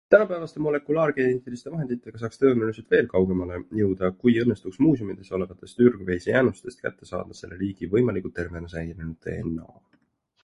Tänapäevaste molekulaargeneetiliste vahenditega saaks tõenäoliselt veelgi kaugemale jõuda, kui õnnestuks muuseumides olevatest ürgveise jäänustest kätte saada selle liigi võimalikult tervena säilinud DNA.